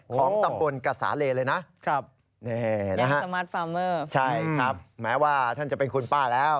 ของตำบลกับสาเลเลยนะครับนี่นะฮะใช่ครับแม้ว่าท่านจะเป็นคุณป้าแล้ว